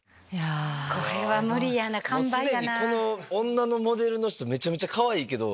女のモデルの人めちゃめちゃかわいいけど。